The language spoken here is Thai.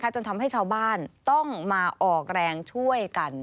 จนทำให้ชาวบ้านต้องมาออกแรงช่วยกัน